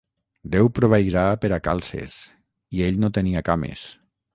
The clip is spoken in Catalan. Déu proveirà per a calces i ell no tenia cames.